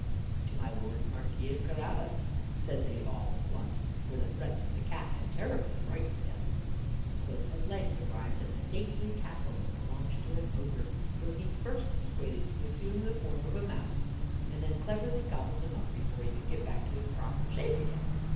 "To my Lord Marquis of Carabas," said they all at once; for the threats of the Cat had terribly frightened them. Puss at length arrived at a stately castle that belonged to an Ogre, whom he first persuaded to assume the form of a mouse, and then cleverly gobbled him up before he could get back to his proper shape again.